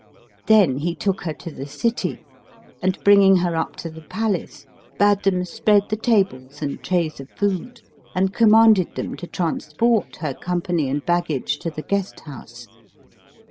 Then he took her to the city and, bringing her up to the palace, bade them spread the tables and trays of food and commanded them to transport her company and baggage to the guess house.